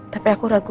tapi aku ragu